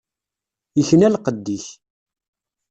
Ikna lqedd-ik.